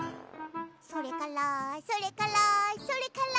「それからそれからそれから」